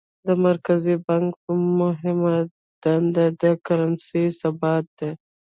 د مرکزي بانک مهمه دنده د کرنسۍ ثبات دی.